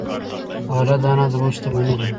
غله دانه زموږ شتمني ده.